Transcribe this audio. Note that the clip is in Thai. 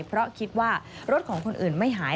เพราะคิดว่ารถของคนอื่นไม่หาย